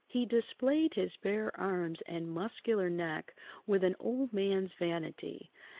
He displayed his bare arms and muscular neck with an old man's vanity.